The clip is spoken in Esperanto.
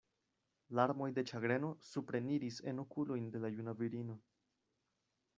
Larmoj de ĉagreno supreniris en okulojn de la juna virino.